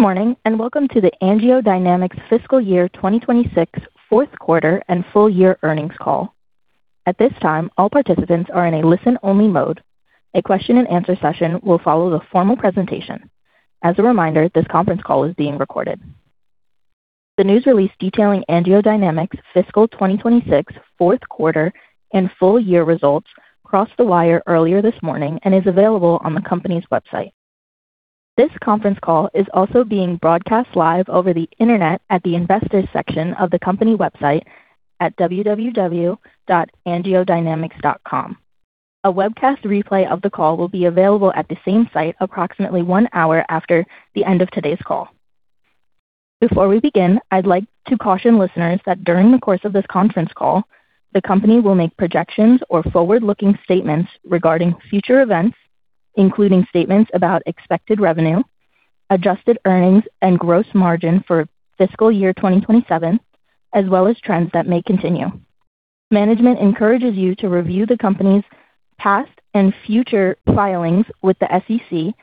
Good morning, and welcome to the AngioDynamics fiscal year 2026 fourth quarter and full year earnings call. At this time, all participants are in a listen-only mode. A question-and-answer session will follow the formal presentation. As a reminder, this conference call is being recorded. The news release detailing AngioDynamics fiscal 2026 fourth quarter and full year results crossed the wire earlier this morning and is available on the company's website. This conference call is also being broadcast live over the internet at the investors section of the company website at www.angiodynamics.com. A webcast replay of the call will be available at the same site approximately one hour after the end of today's call. Before we begin, I'd like to caution listeners that during the course of this conference call, the company will make projections or forward-looking statements regarding future events, including statements about expected revenue, adjusted earnings, and gross margin for fiscal year 2027, as well as trends that may continue. Management encourages you to review the company's past and future filings with the SEC,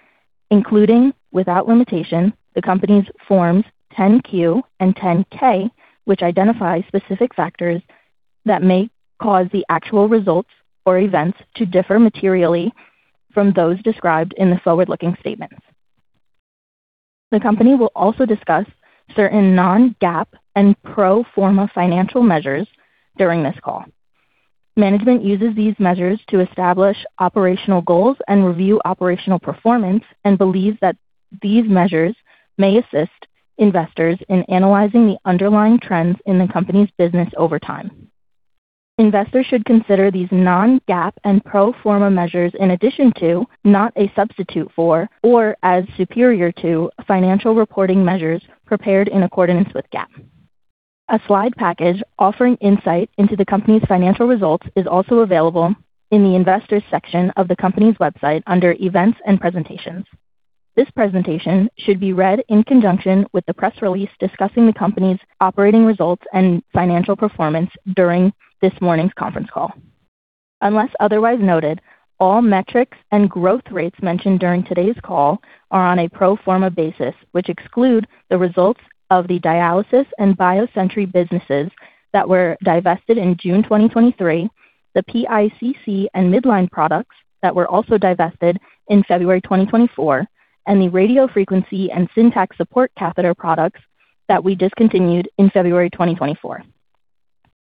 including, without limitation, the company's Forms 10-Q and 10-K, which identify specific factors that may cause the actual results or events to differ materially from those described in the forward-looking statements. The company will also discuss certain non-GAAP and pro forma financial measures during this call. Management uses these measures to establish operational goals and review operational performance and believes that these measures may assist investors in analyzing the underlying trends in the company's business over time. Investors should consider these non-GAAP and pro forma measures in addition to, not a substitute for, or as superior to, financial reporting measures prepared in accordance with GAAP. A slide package offering insight into the company's financial results is also available in the investors section of the company's website under events and presentations. This presentation should be read in conjunction with the press release discussing the company's operating results and financial performance during this morning's conference call. Unless otherwise noted, all metrics and growth rates mentioned during today's call are on a pro forma basis, which exclude the results of the Dialysis and BioSentry businesses that were divested in June 2023, the PICC and Midline products that were also divested in February 2024, and the RadioFrequency and Syntrax support catheter products that we discontinued in February 2024.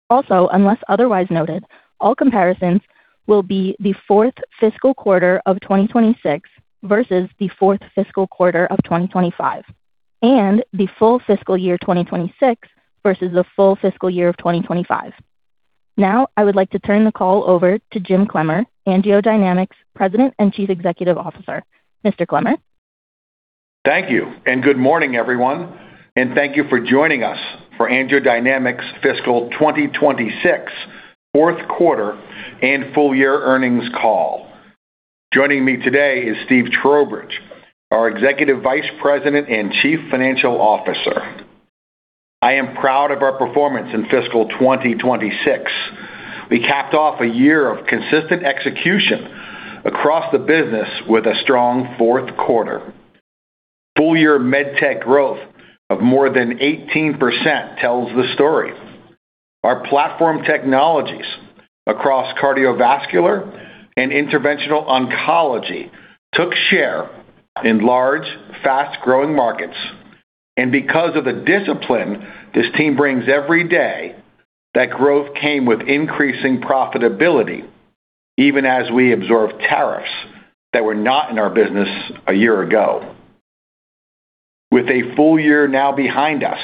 Also, unless otherwise noted, all comparisons will be the fourth fiscal quarter of 2026 versus the fourth fiscal quarter of 2025, and the full fiscal year 2026 versus the full fiscal year of 2025. Now, I would like to turn the call over to Jim Clemmer, AngioDynamics President and Chief Executive Officer. Mr. Clemmer? Thank you, and good morning, everyone, and thank you for joining us for AngioDynamics' fiscal 2026 fourth quarter and full year earnings call. Joining me today is Steve Trowbridge, our Executive Vice President and Chief Financial Officer. I am proud of our performance in fiscal 2026. We capped off a year of consistent execution across the business with a strong fourth quarter. Full-year Med Tech growth of more than 18% tells the story. Our platform technologies across cardiovascular and interventional oncology took share in large, fast-growing markets. Because of the discipline this team brings every day, that growth came with increasing profitability, even as we absorb tariffs that were not in our business a year ago. With a full year now behind us,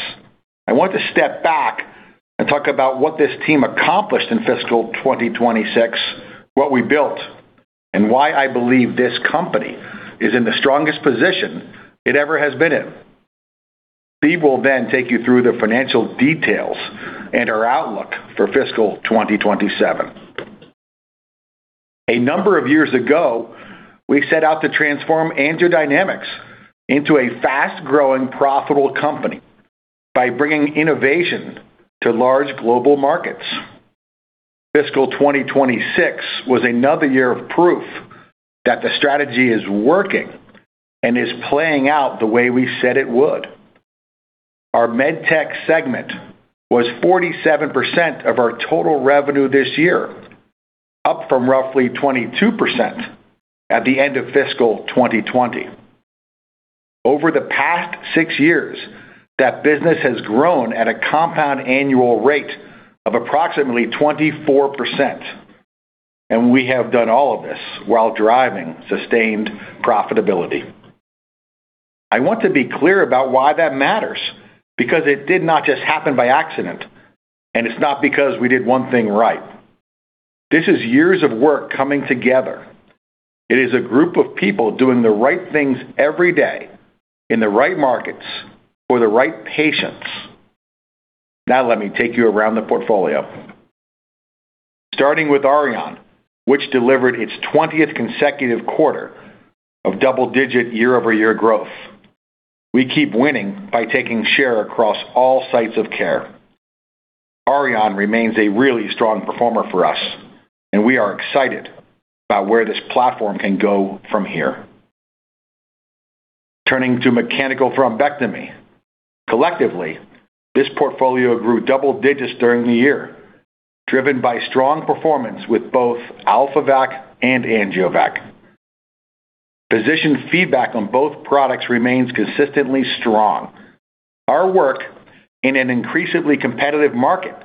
I want to step back and talk about what this team accomplished in fiscal 2026, what we built, and why I believe this company is in the strongest position it ever has been in. Steve will then take you through the financial details and our outlook for fiscal 2027. A number of years ago, we set out to transform AngioDynamics into a fast-growing, profitable company by bringing innovation to large global markets. Fiscal 2026 was another year of proof that the strategy is working and is playing out the way we said it would. Our Med Tech segment was 47% of our total revenue this year, up from roughly 22% at the end of fiscal 2020. Over the past six years, that business has grown at a compound annual rate of approximately 24%. We have done all of this while driving sustained profitability. I want to be clear about why that matters, because it did not just happen by accident. It's not because we did one thing right. This is years of work coming together. It is a group of people doing the right things every day in the right markets for the right patients. Now let me take you around the portfolio. Starting with Auryon, which delivered its 20th consecutive quarter of double-digit year-over-year growth. We keep winning by taking share across all sites of care. Auryon remains a really strong performer for us. We are excited about where this platform can go from here. Turning to Mechanical Thrombectomy. Collectively, this portfolio grew double digits during the year, driven by strong performance with both AlphaVac and AngioVac. Physician feedback on both products remains consistently strong. Our work in an increasingly competitive market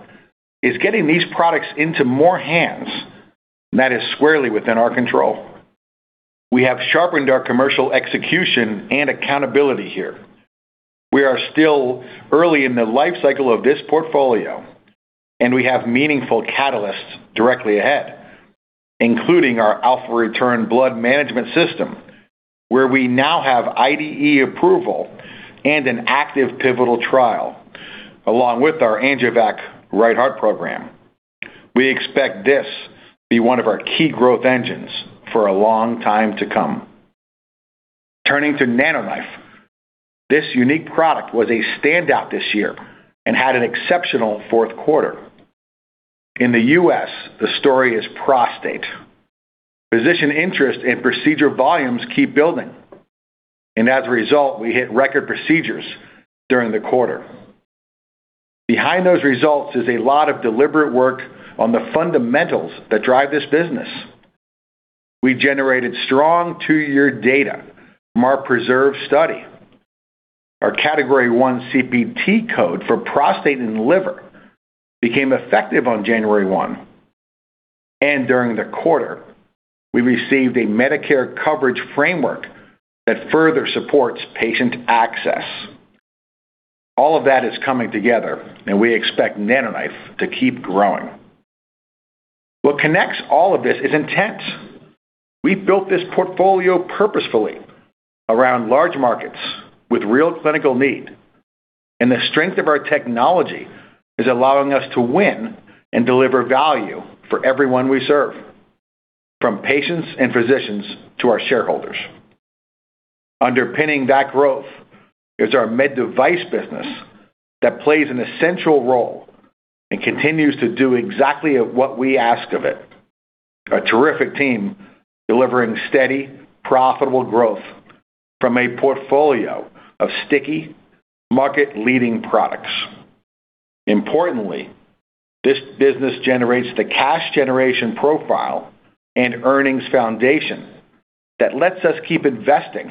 is getting these products into more hands. That is squarely within our control. We have sharpened our commercial execution and accountability here. We are still early in the life cycle of this portfolio. We have meaningful catalysts directly ahead, including our AlphaReturn Blood Management System, where we now have IDE approval and an active pivotal trial, along with our AngioVac Right Heart Program. We expect this to be one of our key growth engines for a long time to come. Turning to NanoKnife. This unique product was a standout this year and had an exceptional fourth quarter. In the U.S., the story is prostate. Physician interest and procedure volumes keep building. As a result, we hit record procedures during the quarter. Behind those results is a lot of deliberate work on the fundamentals that drive this business. We generated strong two-year data from our PRESERVE study. Our category 1 CPT code for prostate and liver became effective on January 1. During the quarter, we received a Medicare coverage framework that further supports patient access. All of that is coming together. We expect NanoKnife to keep growing. What connects all of this is intent. We built this portfolio purposefully around large markets with real clinical need, and the strength of our technology is allowing us to win and deliver value for everyone we serve, from patients and physicians to our shareholders. Underpinning that growth is our med device business that plays an essential role and continues to do exactly what we ask of it. A terrific team delivering steady, profitable growth from a portfolio of sticky market-leading products. Importantly, this business generates the cash generation profile and earnings foundation that lets us keep investing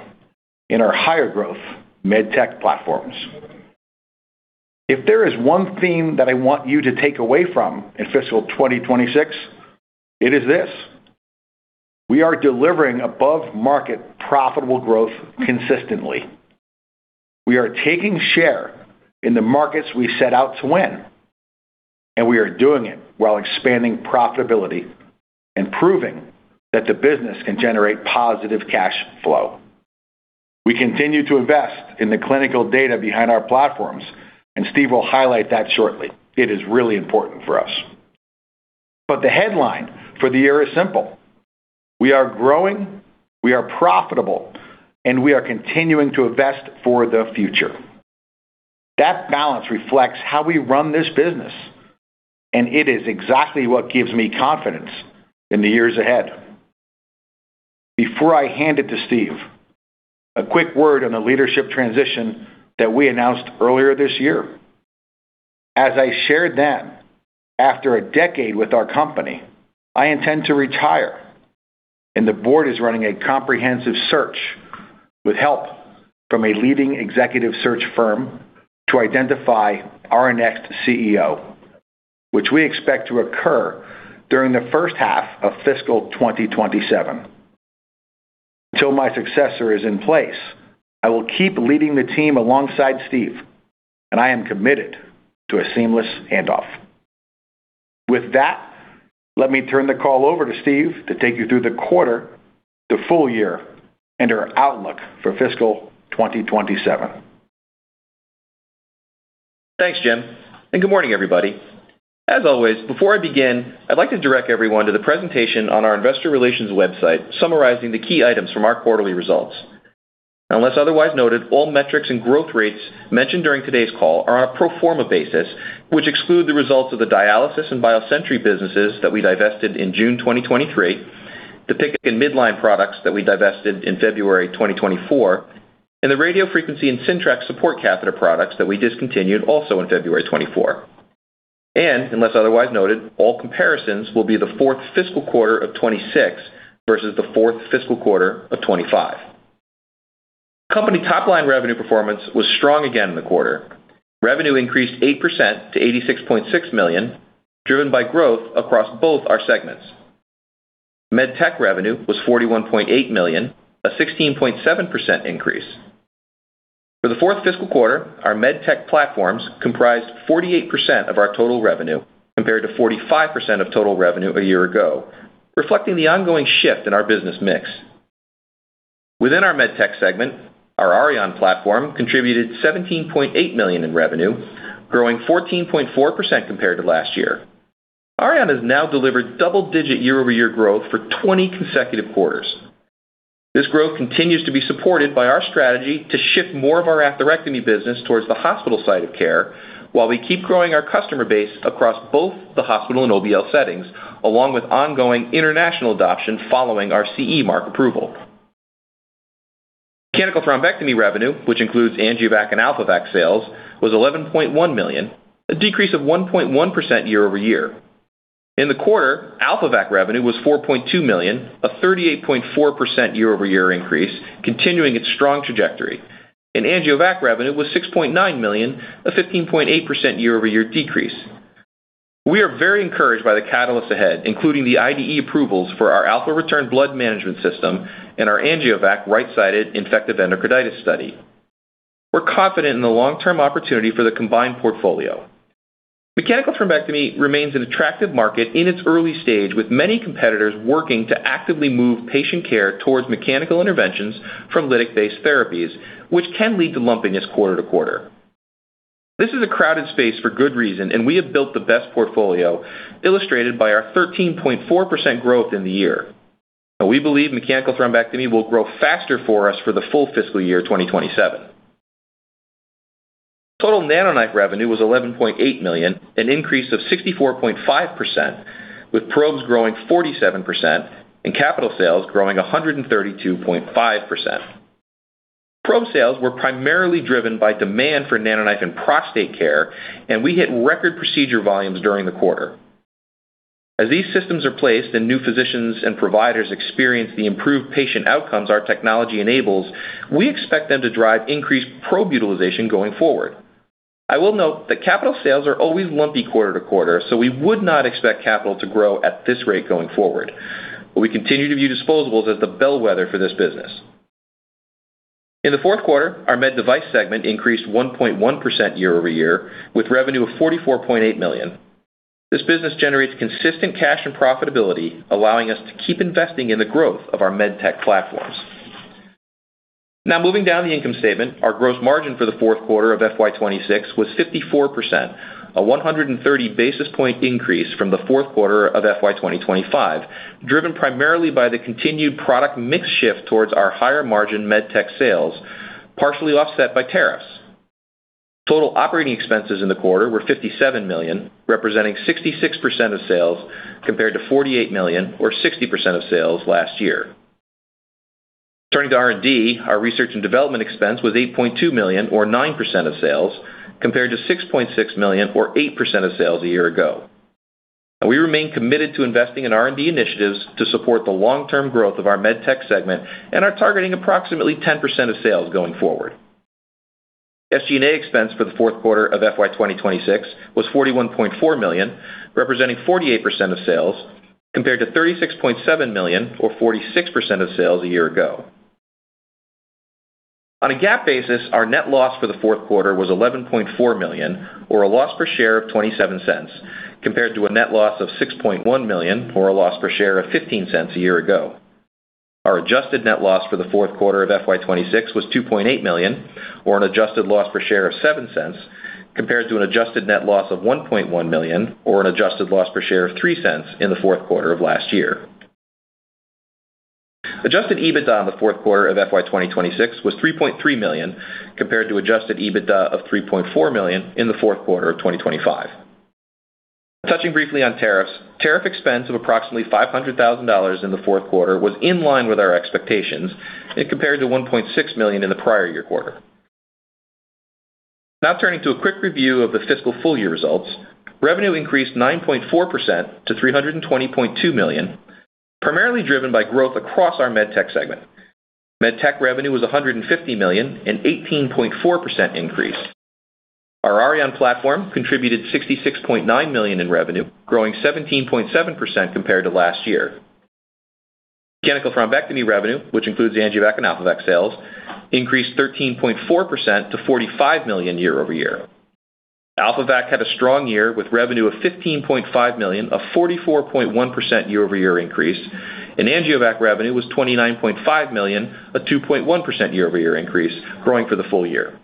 in our higher growth Med Tech platforms. If there is one theme that I want you to take away from in fiscal 2026, it is this. We are delivering above-market profitable growth consistently. We are taking share in the markets we set out to win, and we are doing it while expanding profitability and proving that the business can generate positive cash flow. We continue to invest in the clinical data behind our platforms, and Steve will highlight that shortly. It is really important for us. The headline for the year is simple. We are growing, we are profitable. We are continuing to invest for the future. That balance reflects how we run this business. It is exactly what gives me confidence in the years ahead. Before I hand it to Steve, a quick word on the leadership transition that we announced earlier this year. As I shared then, after a decade with our company, I intend to retire, and the board is running a comprehensive search with help from a leading executive search firm to identify our next CEO, which we expect to occur during the first half of fiscal 2027. Until my successor is in place, I will keep leading the team alongside Steve. I am committed to a seamless handoff. With that, let me turn the call over to Steve to take you through the quarter, the full year, and our outlook for fiscal 2027. Thanks, Jim. Good morning, everybody. As always, before I begin, I'd like to direct everyone to the presentation on our investor relations website summarizing the key items from our quarterly results. Unless otherwise noted, all metrics and growth rates mentioned during today's call are on a pro forma basis, which exclude the results of the Dialysis and BioSentry businesses that we divested in June 2023, PICC and Midline products that we divested in February 2024, and the RadioFrequency and Syntrax support catheter products that we discontinued also in February 2024. Unless otherwise noted, all comparisons will be the fourth fiscal quarter of 2026 versus the fourth fiscal quarter of 2025. Company top-line revenue performance was strong again in the quarter. Revenue increased 8% to $86.6 million, driven by growth across both our segments. Med Tech revenue was $41.8 million, a 16.7% increase. For the fourth fiscal quarter, our Med Tech platforms comprised 48% of our total revenue, compared to 45% of total revenue a year ago, reflecting the ongoing shift in our business mix. Within our med tech segment, our Auryon platform contributed $17.8 million in revenue, growing 14.4% compared to last year. Auryon has now delivered double-digit year-over-year growth for 20 consecutive quarters. This growth continues to be supported by our strategy to shift more of our atherectomy business towards the hospital side of care, while we keep growing our customer base across both the hospital and OBL settings, along with ongoing international adoption following our CE mark approval. Mechanical Thrombectomy revenue, which includes AngioVac and AlphaVac sales, was $11.1 million, a decrease of 1.1% year-over-year. In the quarter, AlphaVac revenue was $4.2 million, a 38.4% year-over-year increase, continuing its strong trajectory. AngioVac revenue was $6.9 million, a 15.8% year-over-year decrease. We are very encouraged by the catalysts ahead, including the IDE approvals for our AlphaReturn Blood Management System and our AngioVac right-sided infective endocarditis study. We're confident in the long-term opportunity for the combined portfolio. Mechanical Thrombectomy remains an attractive market in its early stage, with many competitors working to actively move patient care towards mechanical interventions from lytic-based therapies, which can lead to lumpiness quarter-to-quarter. This is a crowded space for good reason, and we have built the best portfolio, illustrated by our 13.4% growth in the year. We believe Mechanical Thrombectomy will grow faster for us for the full fiscal year 2027. Total NanoKnife revenue was $11.8 million, an increase of 64.5%, with probes growing 47% and capital sales growing 132.5%. Probe sales were primarily driven by demand for NanoKnife in prostate care, and we hit record procedure volumes during the quarter. As these systems are placed and new physicians and providers experience the improved patient outcomes our technology enables, we expect them to drive increased probe utilization going forward. I will note that capital sales are always lumpy quarter-to-quarter, so we would not expect capital to grow at this rate going forward. We continue to view Disposables as the bellwether for this business. In the fourth quarter, our Med Device segment increased 1.1% year-over-year with revenue of $44.8 million. This business generates consistent cash and profitability, allowing us to keep investing in the growth of our med tech platforms. Moving down the income statement, our gross margin for the fourth quarter of FY 2026 was 54%, a 130 basis point increase from the fourth quarter of FY 2025, driven primarily by the continued product mix shift towards our higher margin med tech sales, partially offset by tariffs. Total operating expenses in the quarter were $57 million, representing 66% of sales, compared to $48 million or 60% of sales last year. Turning to R&D, our research and development expense was $8.2 million or 9% of sales, compared to $6.6 million or 8% of sales a year ago. We remain committed to investing in R&D initiatives to support the long-term growth of our Med Tech segment and are targeting approximately 10% of sales going forward. SG&A expense for the fourth quarter of FY 2026 was $41.4 million, representing 48% of sales, compared to $36.7 million or 46% of sales a year ago. On a GAAP basis, our net loss for the fourth quarter was $11.4 million or a loss per share of $0.27, compared to a net loss of $6.1 million or a loss per share of $0.15 a year ago. Our adjusted net loss for the fourth quarter of FY 2026 was $2.8 million or an adjusted loss per share of $0.07 compared to an adjusted net loss of $1.1 million or an adjusted loss per share of $0.03 in the fourth quarter of last year. Adjusted EBITDA in the fourth quarter of FY 2026 was $3.3 million compared to adjusted EBITDA of $3.4 million in the fourth quarter of 2025. Touching briefly on tariffs, tariff expense of approximately $500,000 in the fourth quarter was in line with our expectations. It compared to $1.6 million in the prior year quarter. Turning to a quick review of the fiscal full year results. Revenue increased 9.4% to $320.2 million, primarily driven by growth across our Med Tech segment. Med Tech revenue was $150 million, an 18.4% increase. Our Auryon platform contributed $66.9 million in revenue, growing 17.7% compared to last year. Mechanical Thrombectomy revenue, which includes AngioVac and AlphaVac sales, increased 13.4% to $45 million year-over-year. AlphaVac had a strong year with revenue of $15.5 million, a 44.1% year-over-year increase, and AngioVac revenue was $29.5 million, a 2.1% year-over-year increase growing for the full year.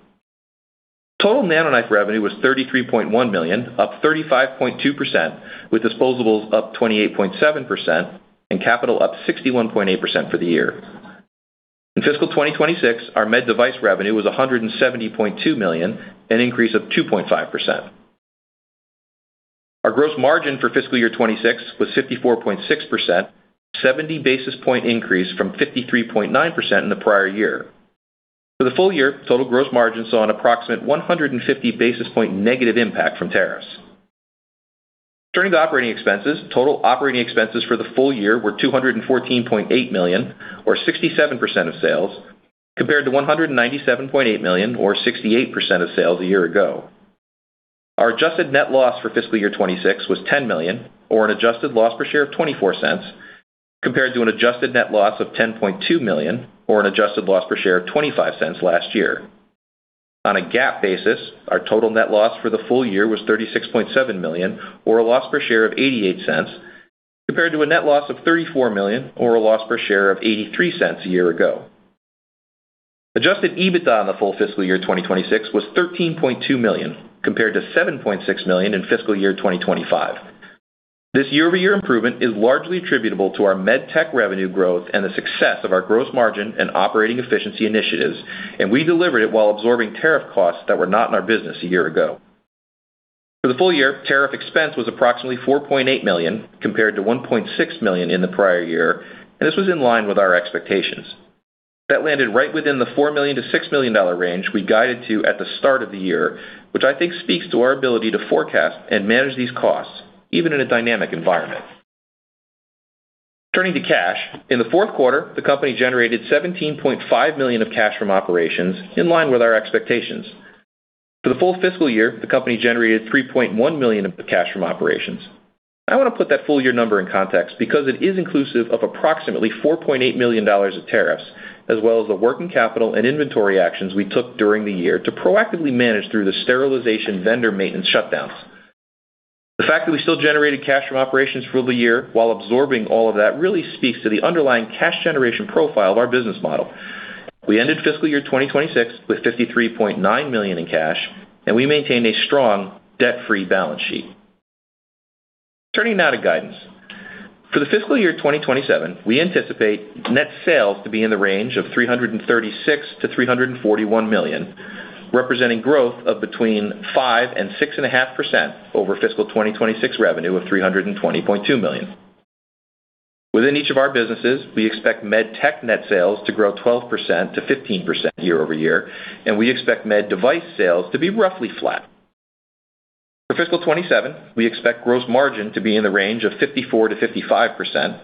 Total NanoKnife revenue was $33.1 million, up 35.2%, with Disposables up 28.7% and Capital up 61.8% for the year. In fiscal 2026, our Med Device revenue was $170.2 million, an increase of 2.5%. Our gross margin for fiscal year 2026 was 54.6%, 70 basis point increase from 53.9% in the prior year. For the full year, total gross margin saw an approximate 150 basis point negative impact from tariffs. Turning to operating expenses, total operating expenses for the full year were $214.8 million or 67% of sales, compared to $197.8 million or 68% of sales a year ago. Our adjusted net loss for fiscal year 2026 was $10 million or an adjusted loss per share of $0.24, compared to an adjusted net loss of $10.2 million or an adjusted loss per share of $0.25 last year. On a GAAP basis, our total net loss for the full year was $36.7 million or a loss per share of $0.88, compared to a net loss of $34 million or a loss per share of $0.83 a year ago. Adjusted EBITDA in the full fiscal year 2026 was $13.2 million, compared to $7.6 million in fiscal year 2025. This year-over-year improvement is largely attributable to our Med Tech revenue growth and the success of our gross margin and operating efficiency initiatives, and we delivered it while absorbing tariff costs that were not in our business a year ago. For the full year, tariff expense was approximately $4.8 million compared to $1.6 million in the prior year, and this was in line with our expectations. That landed right within the $4 million-$6 million range we guided to at the start of the year, which I think speaks to our ability to forecast and manage these costs even in a dynamic environment. Turning to cash. In the fourth quarter, the company generated $17.5 million of cash from operations in line with our expectations. For the full fiscal year, the company generated $3.1 million of cash from operations. I want to put that full year number in context because it is inclusive of approximately $4.8 million of tariffs, as well as the working capital and inventory actions we took during the year to proactively manage through the sterilization vendor maintenance shutdowns. The fact that we still generated cash from operations for the year while absorbing all of that really speaks to the underlying cash generation profile of our business model. We ended fiscal year 2026 with $53.9 million in cash, and we maintained a strong debt-free balance sheet. Turning now to guidance. For the fiscal year 2027, we anticipate net sales to be in the range of $336 million-$341 million, representing growth of between 5% and 6.5% over fiscal 2026 revenue of $320.2 million. Within each of our businesses, we expect Med Tech net sales to grow 12%-15% year-over-year, and we expect Med Device sales to be roughly flat. For fiscal 2027, we expect gross margin to be in the range of 54%-55%.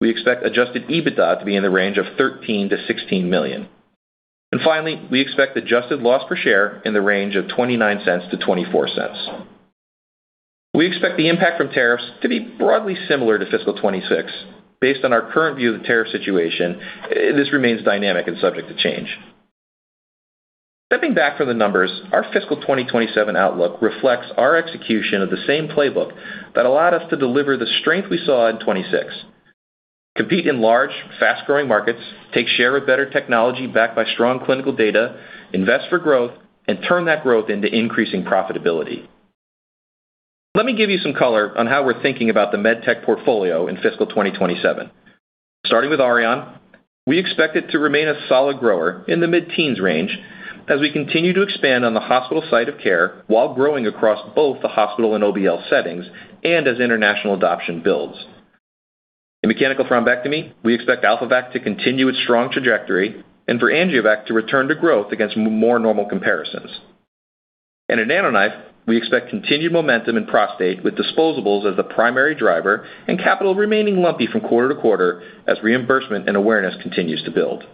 We expect adjusted EBITDA to be in the range of $13 million-$16 million. Finally, we expect adjusted loss per share in the range of $0.29-$0.24. We expect the impact from tariffs to be broadly similar to fiscal 2026. Based on our current view of the tariff situation, this remains dynamic and subject to change. Stepping back from the numbers, our fiscal 2027 outlook reflects our execution of the same playbook that allowed us to deliver the strength we saw in 2026. Compete in large, fast-growing markets, take share of better technology backed by strong clinical data, invest for growth, and turn that growth into increasing profitability. Let me give you some color on how we're thinking about the MedTech portfolio in fiscal 2027. Starting with Auryon, we expect it to remain a solid grower in the mid-teens range as we continue to expand on the hospital site of care, while growing across both the hospital and OBL settings, and as international adoption builds. In Mechanical Thrombectomy, we expect AlphaVac to continue its strong trajectory and for AngioVac to return to growth against more normal comparisons. In NanoKnife, we expect continued momentum in prostate with disposables as the primary driver and capital remaining lumpy from quarter-to-quarter as reimbursement and awareness continues to build.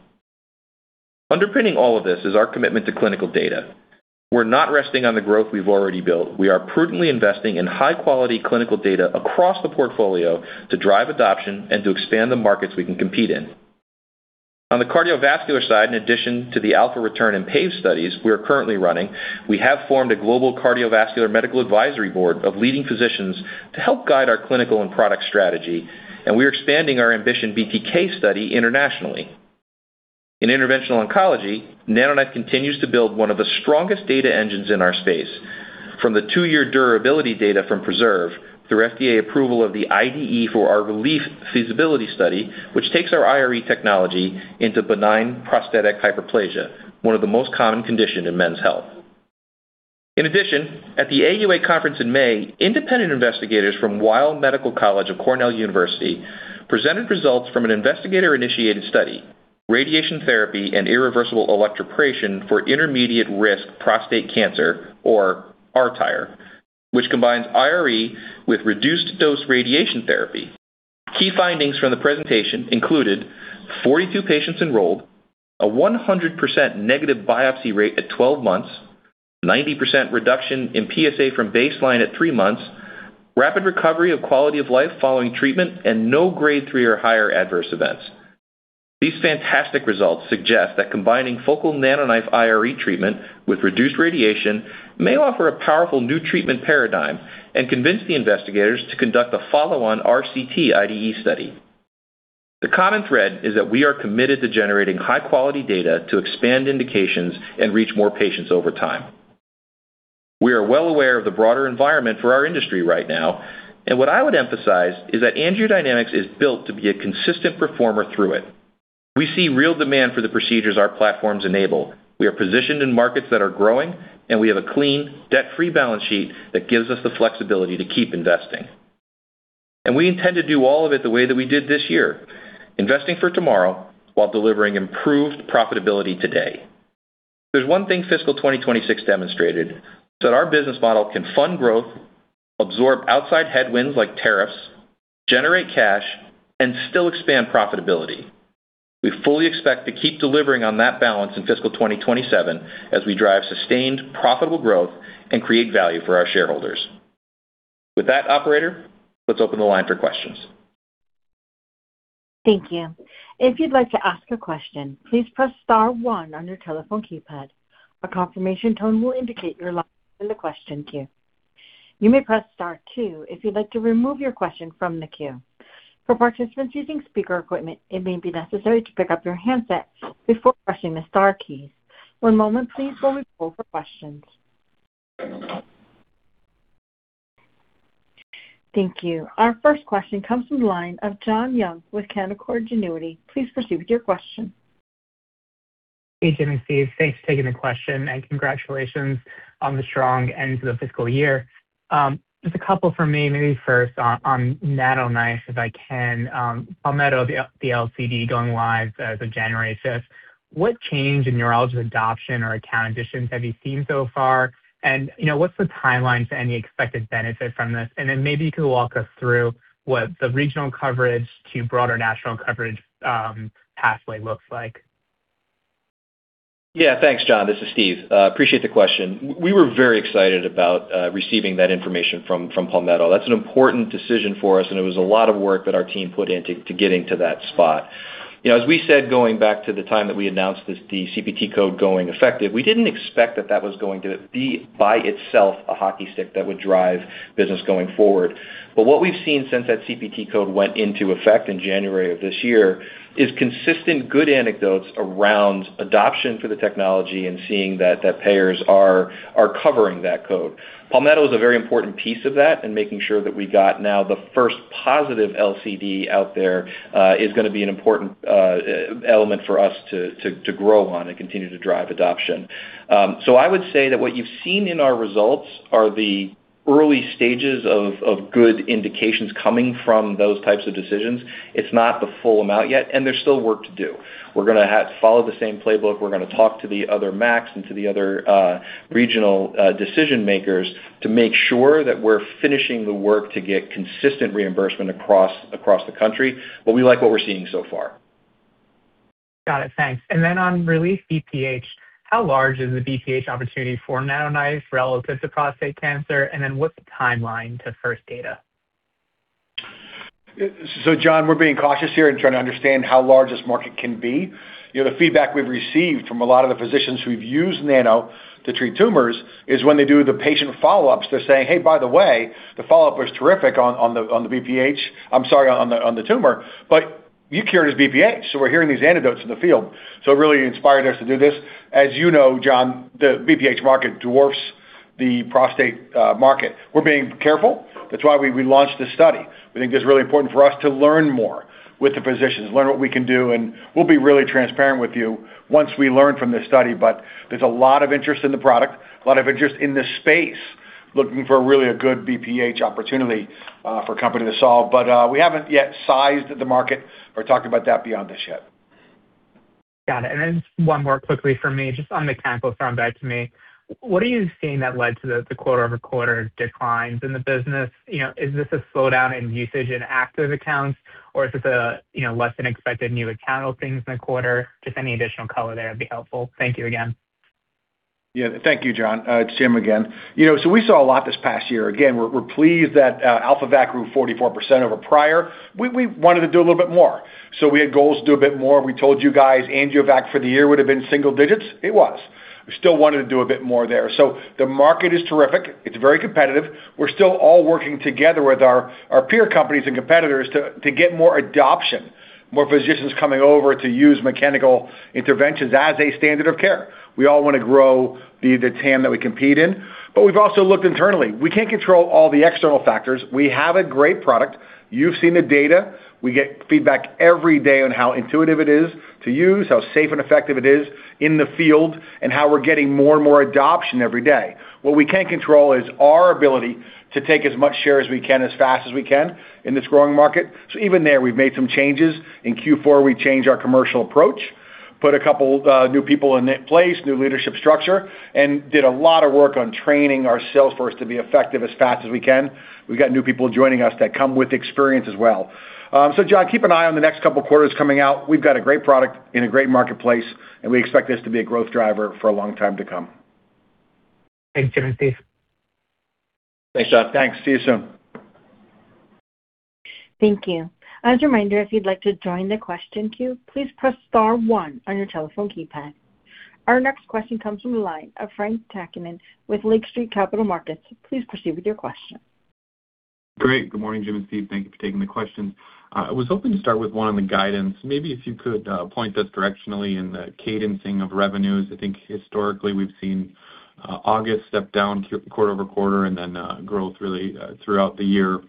Underpinning all of this is our commitment to clinical data. We're not resting on the growth we've already built. We are prudently investing in high-quality clinical data across the portfolio to drive adoption and to expand the markets we can compete in. On the cardiovascular side, in addition to the AlphaReturn and PAVE studies we are currently running, we have formed a global cardiovascular medical advisory board of leading physicians to help guide our clinical and product strategy, and we are expanding our AMBITION BTK study internationally. In interventional oncology, NanoKnife continues to build one of the strongest data engines in our space. From the two-year durability data from PRESERVE through FDA approval of the IDE for our RELIEF feasibility study, which takes our IRE technology into benign prostatic hyperplasia, one of the most common condition in men's health. In addition, at the AUA conference in May, independent investigators from Weill Medical College of Cornell University presented results from an investigator-initiated study, Radiation Therapy and Irreversible Electroporation for Intermediate-risk Prostate Cancer, or R-TIRE, which combines IRE with reduced dose radiation therapy. Key findings from the presentation included 42 patients enrolled, a 100% negative biopsy rate at 12 months, 90% reduction in PSA from baseline at three months, rapid recovery of quality of life following treatment, and no Grade 3 or higher adverse events. These fantastic results suggest that combining focal NanoKnife IRE treatment with reduced radiation may offer a powerful new treatment paradigm, convince the investigators to conduct a follow-on RCT IDE study. The common thread is that we are committed to generating high-quality data to expand indications and reach more patients over time. We are well aware of the broader environment for our industry right now, what I would emphasize is that AngioDynamics is built to be a consistent performer through it. We see real demand for the procedures our platforms enable. We are positioned in markets that are growing, we have a clean, debt-free balance sheet that gives us the flexibility to keep investing. We intend to do all of it the way that we did this year, investing for tomorrow while delivering improved profitability today. If there's one thing FY 2026 demonstrated, it's that our business model can fund growth, absorb outside headwinds like tariffs, generate cash, still expand profitability. We fully expect to keep delivering on that balance in FY 2027 as we drive sustained profitable growth and create value for our shareholders. With that operator, let's open the line for questions. Thank you. If you'd like to ask a question, please press star one on your telephone keypad. A confirmation tone will indicate your line is in the question queue. You may press star two if you'd like to remove your question from the queue. For participants using speaker equipment, it may be necessary to pick up your handset before pressing the star keys. One moment please while we poll for questions. Thank you. Our first question comes from the line of John Young with Canaccord Genuity. Please proceed with your question. Hey, Jim and Steve, thanks for taking the question, and congratulations on the strong end to the fiscal year. Just a couple from me, maybe first on NanoKnife, if I can. Palmetto, the LCD going live as of January 5th, what change in urology adoption or account additions have you seen so far? What's the timeline to any expected benefit from this? Maybe you could walk us through what the regional coverage to broader national coverage pathway looks like. Yeah, thanks John. This is Steve. Appreciate the question. We were very excited about receiving that information from Palmetto. That's an important decision for us, and it was a lot of work that our team put in to getting to that spot. As we said, going back to the time that we announced the CPT code going effective, we didn't expect that that was going to be, by itself, a hockey stick that would drive business going forward. What we've seen since that CPT code went into effect in January of this year is consistent good anecdotes around adoption for the technology and seeing that payers are covering that code. Palmetto is a very important piece of that and making sure that we got now the first positive LCD out there is going to be an important element for us to grow on and continue to drive adoption. I would say that what you've seen in our results are the early stages of good indications coming from those types of decisions. It's not the full amount yet, and there's still work to do. We're going to have to follow the same playbook. We're going to talk to the other MACs and to the other regional decision makers to make sure that we're finishing the work to get consistent reimbursement across the country, but we like what we're seeing so far. Got it. Thanks. On RELIEF BPH, how large is the BPH opportunity for NanoKnife relative to prostate cancer, what's the timeline to first data? John, we're being cautious here in trying to understand how large this market can be. The feedback we've received from a lot of the physicians who've used Nano to treat tumors is when they do the patient follow-ups, they're saying, "Hey, by the way, the follow-up was terrific on the tumor, but you cured his BPH." We're hearing these anecdotes in the field, it really inspired us to do this. As you know, John, the BPH market dwarfs the prostate market. We're being careful. That's why we launched this study. We think it's really important for us to learn more with the physicians, learn what we can do, and we'll be really transparent with you once we learn from this study. There's a lot of interest in the product, a lot of interest in this space, looking for really a good BPH opportunity for a company to solve. We haven't yet sized the market or talked about that beyond this yet. Got it. Just one more quickly from me, just on the, [inaudible] if I can bounce back to me. What are you seeing that led to the quarter-over-quarter declines in the business? Is this a slowdown in usage in active accounts, or is this a less than expected new account openings in the quarter? Just any additional color there would be helpful. Thank you again. Thank you, John. It's Jim again. We saw a lot this past year. Again, we're pleased that AlphaVac grew 44% over prior. We wanted to do a little bit more. We had goals to do a bit more. We told you guys AngioVac for the year would've been single digits. It was. We still wanted to do a bit more there. The market is terrific. It's very competitive. We're still all working together with our peer companies and competitors to get more adoption, more physicians coming over to use mechanical interventions as a standard of care. We all want to grow the TAM that we compete in. We've also looked internally. We can't control all the external factors. We have a great product. You've seen the data. We get feedback every day on how intuitive it is to use, how safe and effective it is in the field, and how we're getting more and more adoption every day. What we can control is our ability to take as much share as we can, as fast as we can in this growing market. Even there, we've made some changes. In Q4, we changed our commercial approach, put a couple new people in place, new leadership structure, and did a lot of work on training our sales force to be effective as fast as we can. We've got new people joining us that come with experience as well. John, keep an eye on the next couple of quarters coming out. We've got a great product in a great marketplace, and we expect this to be a growth driver for a long time to come. Thanks, Jim and Steve. Thanks, John. Thanks. See you soon. Thank you. As a reminder, if you'd like to join the question queue, please press star one on your telephone keypad. Our next question comes from the line of Frank Takkinen with Lake Street Capital Markets. Please proceed with your question. Great. Good morning, Jim and Steve. Thank you for taking the questions. I was hoping to start with one on the guidance. Maybe if you could point us directionally in the cadencing of revenues. I think historically we've seen August step down quarter-over-quarter and then growth really throughout the year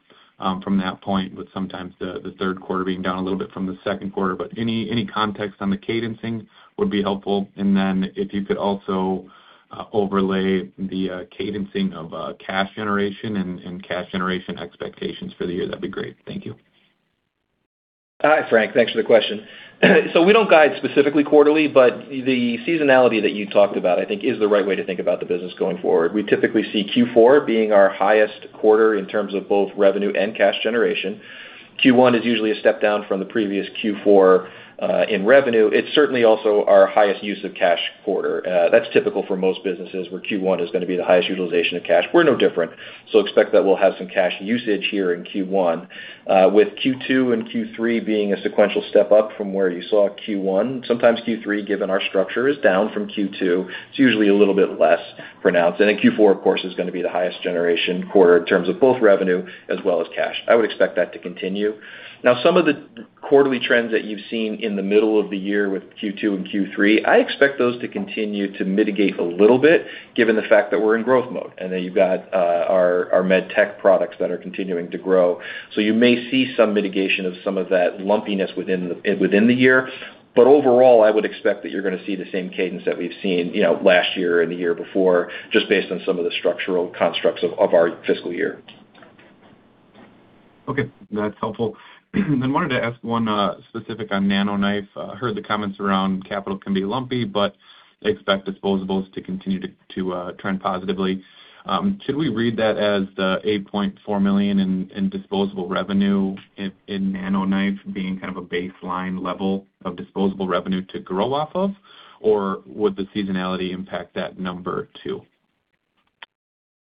from that point, with sometimes the third quarter being down a little bit from the second quarter. Any context on the cadencing would be helpful, and then if you could also overlay the cadencing of cash generation and cash generation expectations for the year, that'd be great. Thank you. Hi, Frank. Thanks for the question. We don't guide specifically quarterly, the seasonality that you talked about, I think, is the right way to think about the business going forward. We typically see Q4 being our highest quarter in terms of both revenue and cash generation. Q1 is usually a step down from the previous Q4 in revenue. It's certainly also our highest use of cash quarter. That's typical for most businesses, where Q1 is going to be the highest utilization of cash. We're no different. Expect that we'll have some cash usage here in Q1, with Q2 and Q3 being a sequential step up from where you saw Q1. Sometimes Q3, given our structure, is down from Q2. It's usually a little bit less pronounced. Q4, of course, is going to be the highest generation quarter in terms of both revenue as well as cash. I would expect that to continue. Now, some of the quarterly trends that you've seen in the middle of the year with Q2 and Q3, I expect those to continue to mitigate a little bit given the fact that we're in growth mode and that you've got our Med tech products that are continuing to grow. You may see some mitigation of some of that lumpiness within the year. Overall, I would expect that you're going to see the same cadence that we've seen last year and the year before, just based on some of the structural constructs of our fiscal year. That's helpful. Wanted to ask one specific on NanoKnife. Heard the comments around capital can be lumpy, but they expect disposables to continue to trend positively. Should we read that as the $8.4 million in disposable revenue in NanoKnife being kind of a baseline level of Disposable revenue to grow off of? Would the seasonality impact that number, too?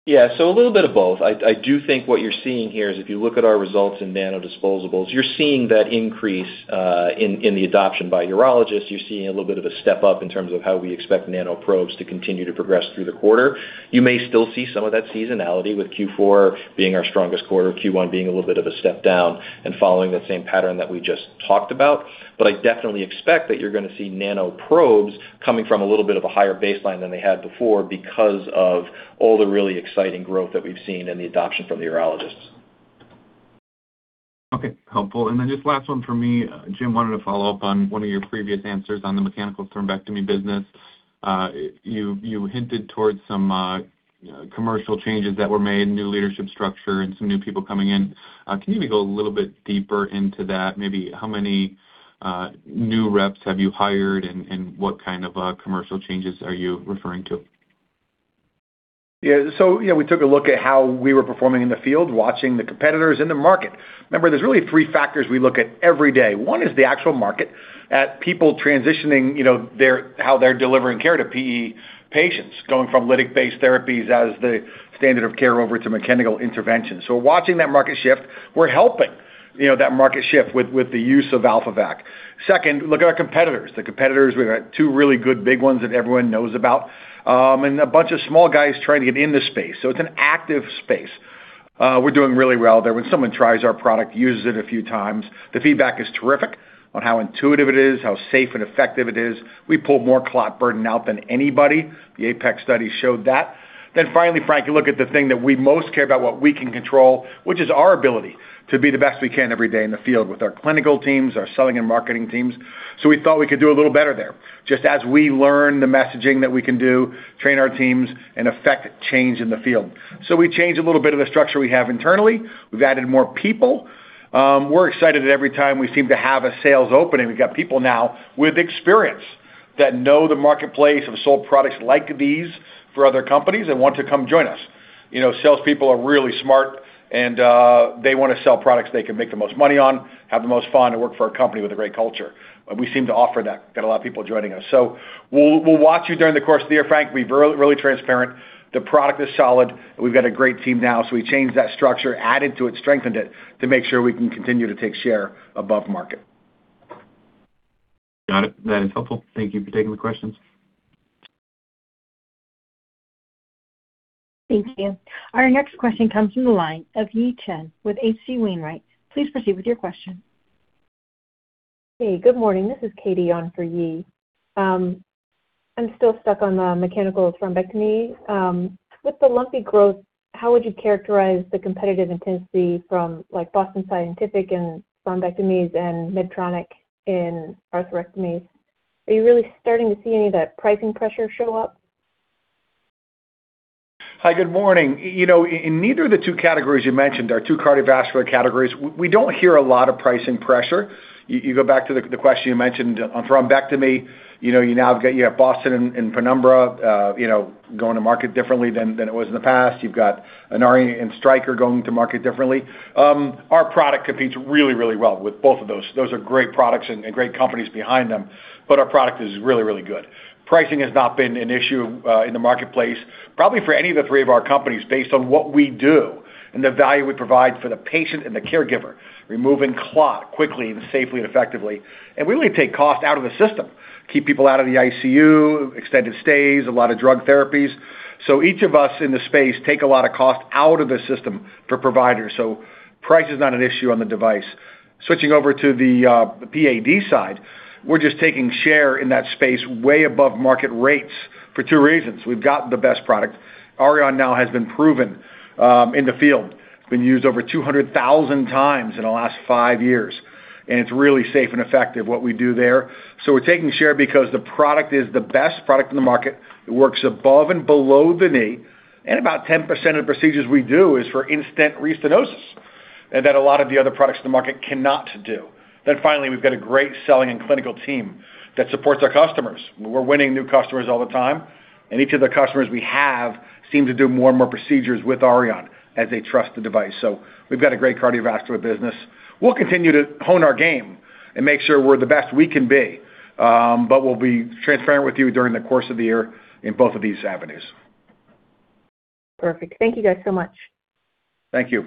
Yeah. A little bit of both. I do think what you're seeing here is if you look at our results in NanoKnife Disposables, you're seeing that increase in the adoption by urologists. You're seeing a little bit of a step up in terms of how we expect nanoprobes to continue to progress through the quarter. You may still see some of that seasonality with Q4 being our strongest quarter, Q1 being a little bit of a step down and following that same pattern that we just talked about. I definitely expect that you're going to see nanoprobes coming from a little bit of a higher baseline than they had before because of all the really exciting growth that we've seen and the adoption from the urologists. Helpful. Just last one for me. Jim, wanted to follow up on one of your previous answers on the Mechanical Thrombectomy business. You hinted towards some commercial changes that were made, new leadership structure, and some new people coming in. Can you maybe go a little bit deeper into that? Maybe how many new reps have you hired, and what kind of commercial changes are you referring to? Yeah. We took a look at how we were performing in the field, watching the competitors in the market. Remember, there's really three factors we look at every day. One is the actual market, at people transitioning how they're delivering care to PE patients, going from lytic-based therapies as the standard of care over to mechanical intervention. We're watching that market shift. We're helping that market shift with the use of AlphaVac. Second, look at our competitors. The competitors, we've got two really good big ones that everyone knows about, and a bunch of small guys trying to get in the space. It's an active space. We're doing really well there. When someone tries our product, uses it a few times, the feedback is terrific on how intuitive it is, how safe and effective it is. We pull more clot burden out than anybody. The APEX study showed that. Finally, Frank, you look at the thing that we most care about, what we can control, which is our ability to be the best we can every day in the field with our clinical teams, our selling and marketing teams. We thought we could do a little better there. Just as we learn the messaging that we can do, train our teams, and effect change in the field. We changed a little bit of the structure we have internally. We've added more people. We're excited every time we seem to have a sales opening. We've got people now with experience that know the marketplace, have sold products like these for other companies and want to come join us. Salespeople are really smart and they want to sell products they can make the most money on, have the most fun, and work for a company with a great culture. We seem to offer that. Got a lot of people joining us. We'll watch you during the course of the year, Frank. Be really transparent. The product is solid. We've got a great team now. We changed that structure, added to it, strengthened it to make sure we can continue to take share above market. Got it. That is helpful. Thank you for taking the questions. Thank you. Our next question comes from the line of Yi Chen with H.C. Wainwright. Please proceed with your question. Hey, good morning. This is Katie on for Yi. I'm still stuck on the Mechanical Thrombectomy. With the lumpy growth, how would you characterize the competitive intensity from Boston Scientific in thrombectomies and Medtronic in atherectomies? Are you really starting to see any of that pricing pressure show up? Hi, good morning. In neither of the two categories you mentioned, our two cardiovascular categories, we don't hear a lot of pricing pressure. You go back to the question you mentioned on thrombectomy. You now have Boston and Penumbra going to market differently than it was in the past. You've got Inari and Stryker going to market differently. Our product competes really well with both of those. Those are great products and great companies behind them, but our product is really good. Pricing has not been an issue in the marketplace, probably for any of the three of our companies, based on what we do and the value we provide for the patient and the caregiver. Removing clot quickly and safely and effectively. We really take cost out of the system. Keep people out of the ICU, extended stays, a lot of drug therapies. Each of us in the space take a lot of cost out of the system for providers. Switching over to the PAD side, we're just taking share in that space way above market rates for two reasons. We've got the best product. Auryon now has been proven in the field. It's been used over 200,000 times in the last five years, and it's really safe and effective what we do there. We're taking share because the product is the best product in the market. It works above and below the knee, and about 10% of the procedures we do is for in-stent restenosis, and that a lot of the other products in the market cannot do. Finally, we've got a great selling and clinical team that supports our customers. We're winning new customers all the time, and each of the customers we have seem to do more and more procedures with Auryon as they trust the device. We've got a great cardiovascular business. We'll continue to hone our game and make sure we're the best we can be. We'll be transparent with you during the course of the year in both of these avenues. Perfect. Thank you guys so much. Thank you.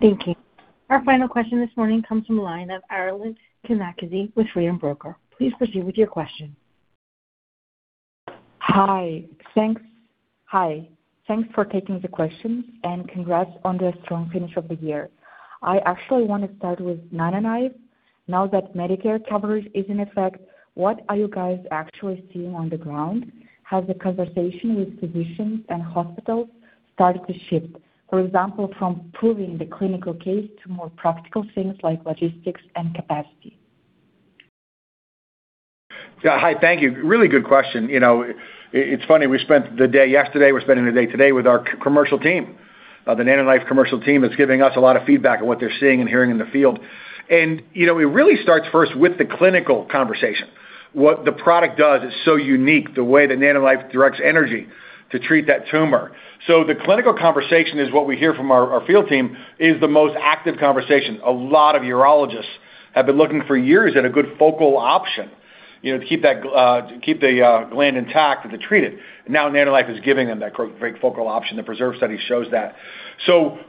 Thank you. Our final question this morning comes from the line of Arlen Kamikaze with Freedom Broker. Please proceed with your question. Hi. Thanks for taking the questions, and congrats on the strong finish of the year. I actually want to start with NanoKnife. Now that Medicare coverage is in effect, what are you guys actually seeing on the ground? Has the conversation with physicians and hospitals started to shift, for example, from proving the clinical case to more practical things like logistics and capacity? Yeah. Hi, thank you. Really good question. It's funny, we spent the day yesterday, we're spending the day today with our commercial team. The NanoKnife commercial team is giving us a lot of feedback on what they're seeing and hearing in the field. It really starts first with the clinical conversation. What the product does is so unique, the way the NanoKnife directs energy to treat that tumor. The clinical conversation is what we hear from our field team is the most active conversation. A lot of urologists have been looking for years at a good focal option to keep the gland intact, but to treat it. NanoKnife is giving them that great focal option. The PRESERVE study shows that.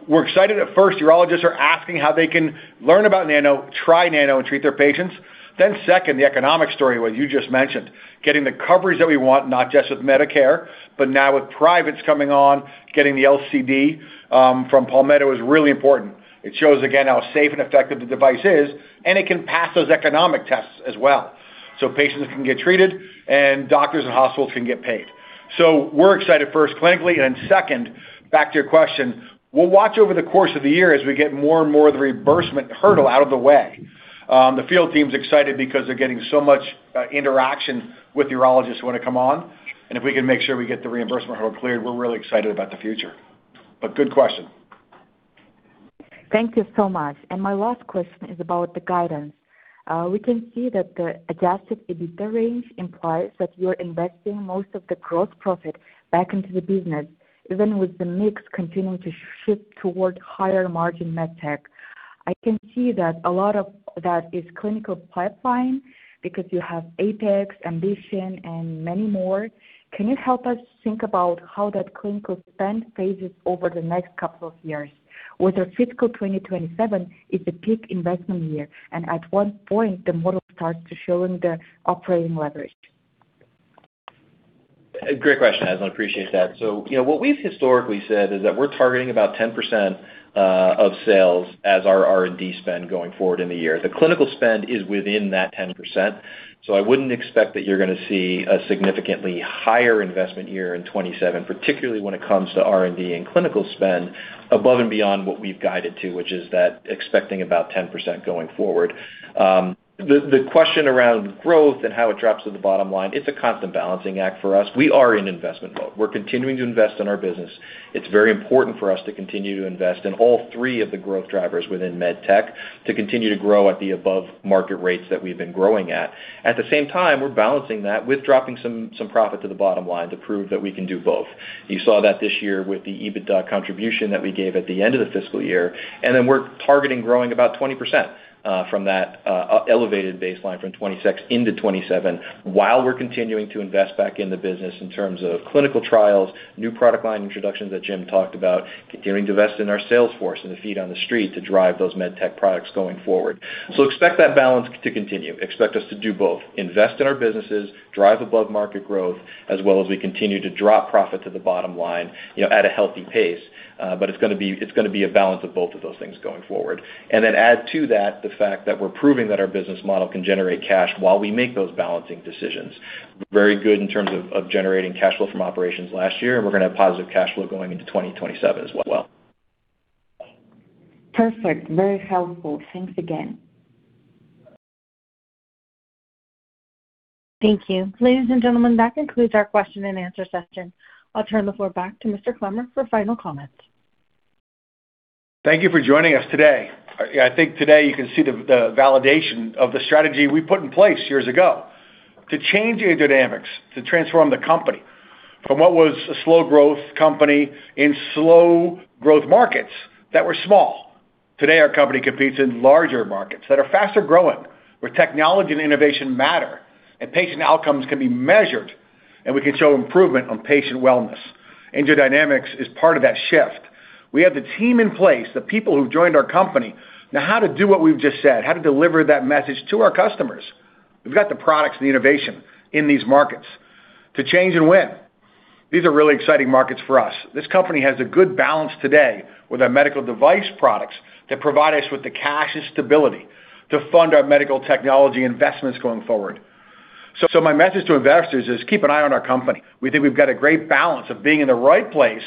We're excited at first urologists are asking how they can learn about Nano, try Nano and treat their patients. Second, the economic story, what you just mentioned, getting the coverage that we want, not just with Medicare, but now with privates coming on, getting the LCD from Palmetto is really important. It shows again how safe and effective the device is, and it can pass those economic tests as well. Patients can get treated, and doctors and hospitals can get paid. We're excited first clinically, and then second, back to your question. We'll watch over the course of the year as we get more and more of the reimbursement hurdle out of the way. The field team's excited because they're getting so much interaction with urologists who want to come on, and if we can make sure we get the reimbursement hurdle cleared, we're really excited about the future. Good question. Thank you so much. My last question is about the guidance. We can see that the adjusted EBITDA range implies that you're investing most of the gross profit back into the business, even with the mix continuing to shift toward higher margin med tech. I can see that a lot of that is clinical pipeline because you have APEX, AMBITION, and many more. Can you help us think about how that clinical spend phases over the next couple of years? Whether fiscal 2027 is the peak investment year, and at what point the model starts to show in the operating leverage? Great question. Appreciate that. What we've historically said is that we're targeting about 10% of sales as our R&D spend going forward in the year. The clinical spend is within that 10%, so I wouldn't expect that you're going to see a significantly higher investment year in 2027, particularly when it comes to R&D and clinical spend above and beyond what we've guided to, which is that expecting about 10% going forward. The question around growth and how it drops to the bottom line, it's a constant balancing act for us. We are in investment mode. We're continuing to invest in our business. It's very important for us to continue to invest in all three of the growth drivers within med tech to continue to grow at the above market rates that we've been growing at. We're balancing that with dropping some profit to the bottom line to prove that we can do both. You saw that this year with the EBITDA contribution that we gave at the end of the fiscal year. Then we're targeting growing about 20% from that elevated baseline from 2026 into 2027 while we're continuing to invest back in the business in terms of clinical trials, new product line introductions that Jim talked about, continuing to invest in our sales force and the feet on the street to drive those med tech products going forward. Expect that balance to continue. Expect us to do both. Invest in our businesses, drive above market growth, as well as we continue to drop profit to the bottom line at a healthy pace. It's going to be a balance of both of those things going forward. Add to that the fact that we're proving that our business model can generate cash while we make those balancing decisions. Very good in terms of generating cash flow from operations last year. We're going to have positive cash flow going into 2027 as well. Perfect. Very helpful. Thanks again. Thank you. Ladies and gentlemen, that concludes our question-and-answer session. I'll turn the floor back to Mr. Clemmer for final comments. Thank you for joining us today. I think today you can see the validation of the strategy we put in place years ago to change AngioDynamics, to transform the company from what was a slow growth company in slow growth markets that were small. Today, our company competes in larger markets that are faster growing, where technology and innovation matter, and patient outcomes can be measured, and we can show improvement on patient wellness. AngioDynamics is part of that shift. We have the team in place, the people who've joined our company. Now, how to do what we've just said, how to deliver that message to our customers. We've got the products and the innovation in these markets to change and win. These are really exciting markets for us. This company has a good balance today with our medical device products that provide us with the cash and stability to fund our medical technology investments going forward. My message to investors is keep an eye on our company. We think we've got a great balance of being in the right place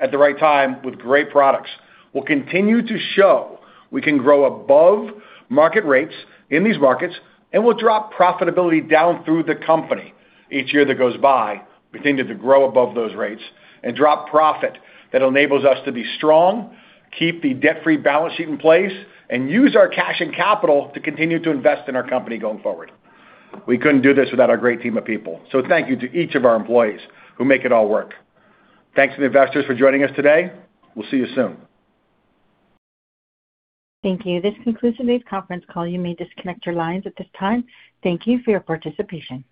at the right time with great products. We'll continue to show we can grow above market rates in these markets, and we'll drop profitability down through the company each year that goes by. We continue to grow above those rates and drop profit that enables us to be strong, keep the debt-free balance sheet in place, and use our cash and capital to continue to invest in our company going forward. We couldn't do this without our great team of people. Thank you to each of our employees who make it all work. Thanks to the investors for joining us today. We'll see you soon. Thank you. This concludes today's conference call. You may disconnect your lines at this time. Thank you for your participation.